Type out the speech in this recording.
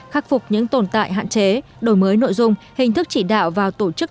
khắc phục những tồn tại hạn chế đổi mới nội dung hình thức chỉ đạo vào tổ chức